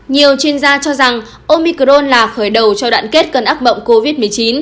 nhiều chuyên gia cho rằng omicron là khởi đầu cho đoạn kết cân ác bộng covid một mươi chín